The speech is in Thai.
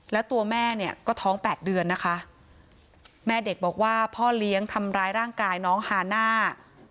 แล้วตัวแม่เนี่ยก็ท้องแปดเดือนนะคะแม่เด็กบอกว่าพ่อเลี้ยงทำร้ายร่างกายน้องฮาน่า